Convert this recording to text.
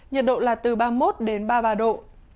nhiệt độ là từ ba mươi một đến ba mươi ba độ